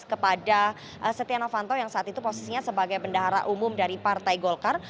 kepada setia novanto yang saat itu posisinya sebagai bendahara umum dari partai golkar